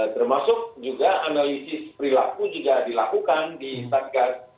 termasuk juga analisis perilaku juga dilakukan di satgas